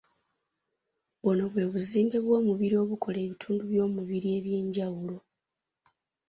Buno bwe buzimbe bw'omubiri obukola ebitundu by'omubiri eby'enjawulo